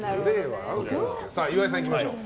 岩井さん、いきましょう。